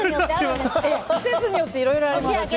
季節によって、いろいろあります。